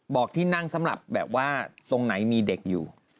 บอกที่นั่งสำหรับแบบว่าตรงไหนมีเด็กอยู่